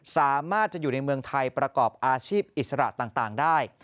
สามารถจะอยู่ในเมืองไทยประกอบอาชีพอิสระต่างได้